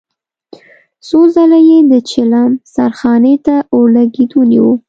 څو ځله يې د چيلم سرخانې ته اورلګيت ونيو.